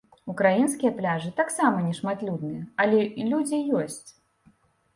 Украінскія пляжы таксама не шматлюдныя але людзі ёсць.